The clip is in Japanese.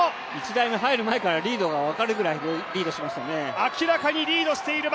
１台目入る前からリードが分かるくらいリードしていますね。